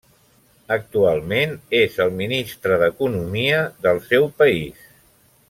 Actualment és el ministre d'Economia del seu país.